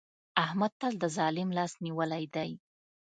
احمد تل د ظالم لاس نيولی دی.